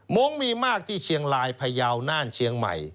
งงมีมากที่เชียงรายพยาวน่านเชียงใหม่